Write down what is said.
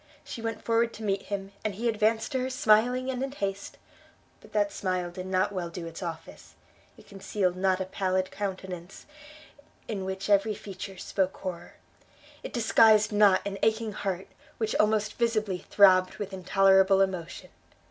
she went forward to meet him, and he advanced to her smiling and in haste; but that smile did not well do its office; it concealed not a pallid countenance, in which every feature spoke horror; it disguised not an aching heart, which almost visibly throbbed with intolerable emotion!